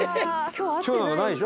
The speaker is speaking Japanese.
今日なんかないでしょ？